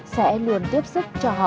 sẽ luôn tiếp xúc cho họ